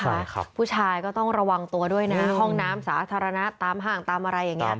ครับผู้ชายก็ต้องระวังตัวด้วยนะห้องน้ำสาธารณะตามห้างตามอะไรอย่างเงี้